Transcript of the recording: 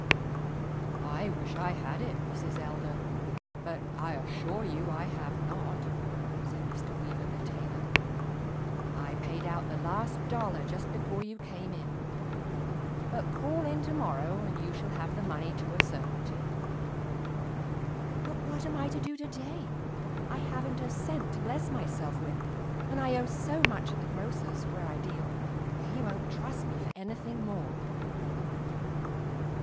"I wish I had it, Mrs. Elder. But, I assure you that I have not," said Mr. Weaver, the tailor. "I paid out the last dollar just before you came in. But call in to morrow, and you shall have the money to a certainty." "But what I am to do to day? I haven't a cent to bless myself with; and I owe so much at the grocer's, where I deal, that he won't trust me for any thing more."